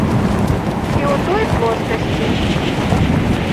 І ў той плоскасці.